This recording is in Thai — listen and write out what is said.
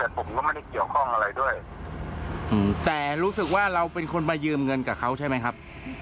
แต่ผมก็ไม่ได้เกี่ยวข้องอะไรด้วยแต่รู้สึกว่าเราเป็นคนมายืมเงินกับเขาใช่ไหมครับ